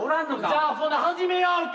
じゃあほな始めようか！